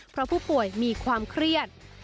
เพราะผู้ป่วยมีความเครียด